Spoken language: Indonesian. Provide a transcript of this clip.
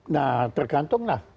nah tergantung lah